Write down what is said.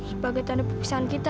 sebagai tanda pepisahan kita